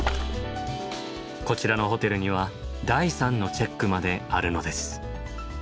こちらのホテルには第３のチェックまであるのです。